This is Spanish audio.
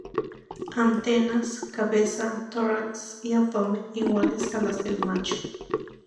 Antenas, cabeza, tórax y abdomen iguales a las del macho.